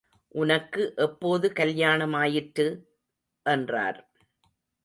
உனக்கு எப்போது கல்யாணமாயிற்று? என்றார்.